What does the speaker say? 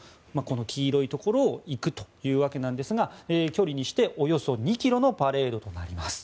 黄色いところを行くというわけなんですが距離にしておよそ２ｋｍのパレードとなります。